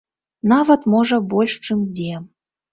Нават, можа, больш, чым дзе.